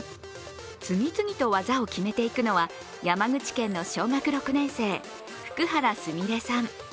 次々と技を決めていくのは山口県の小学６年生、福原菫さん。